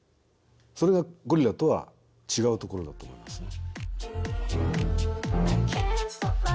それがゴリラとは違うところだと思いますね。